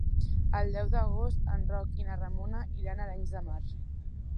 El deu d'agost en Roc i na Ramona iran a Arenys de Mar.